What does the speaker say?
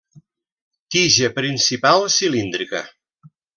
Tija principal cilíndrica.